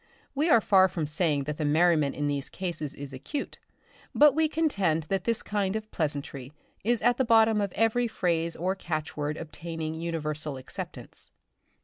We are far from saying that the merriment in these cases is acute, but we contend that this kind of pleasantry is at the bottom of every phrase or catchword obtaining universal acceptance.